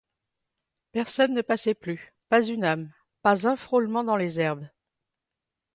Personne ne passait plus, pas une âme, pas un frôlement dans les herbes.